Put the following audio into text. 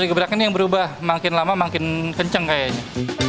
gebrakan ini yang berubah makin lama makin kenceng kayaknya